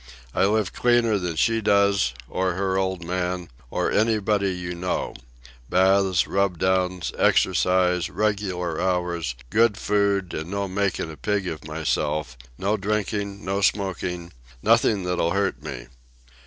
I live cleaner than she does, or her old man, or anybody you know baths, rub downs, exercise, regular hours, good food and no makin' a pig of myself, no drinking, no smoking, nothing that'll hurt me.